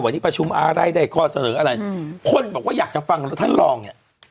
วันนี้ประชุมอะไรได้ข้อเสนออะไรอืมคนบอกว่าอยากจะฟังแล้วท่านรองเนี่ย